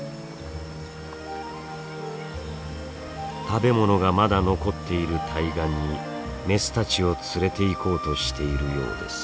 食べ物がまだ残っている対岸にメスたちを連れていこうとしているようです。